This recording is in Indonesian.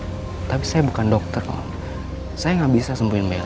maaf om tapi saya bukan dokter om saya nggak bisa sembuhin bella